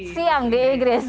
siang di inggris